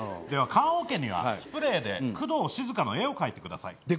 じゃあ棺桶にはスプレーで工藤静香の絵を描いてください。